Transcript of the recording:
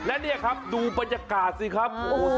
และนี่ครับดูบรรยากาศสิครับ